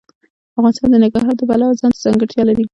افغانستان د ننګرهار د پلوه ځانته ځانګړتیا لري.